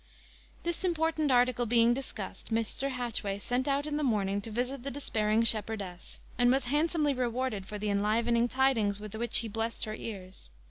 This important article being discussed, Mr. Hatchway set out in the morning to visit the despairing shepherdess, and was handsomely rewarded for the enlivening tidings with which he blessed her ears.